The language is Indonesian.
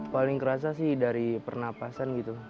paling kerasa sih dari pernapasan gitu